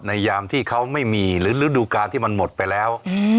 ยามที่เขาไม่มีหรือฤดูการที่มันหมดไปแล้ว